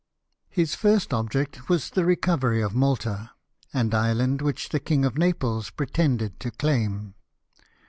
His first object was the recovery of Malta, an island which the King of Naples pretended to claim.